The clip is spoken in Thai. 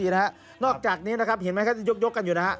นอกจากนี้เห็นไหมครับยกกันอยู่